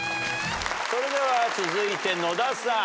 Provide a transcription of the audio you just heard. それでは続いて野田さん。